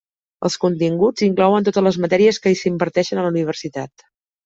Els continguts inclouen totes les matèries que s'imparteixen a la Universitat.